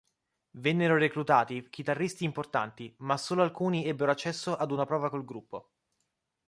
Vennero reclutati chitarristi importanti ma solo alcuni ebbero accesso ad una prova col gruppo.